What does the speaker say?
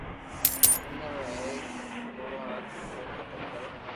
آندھن نو اونک ديو ڪوڙون را ڪوڙختم ڪرو